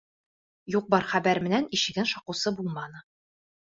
Юҡ-бар хәбәр менән ишеген шаҡыусы булманы.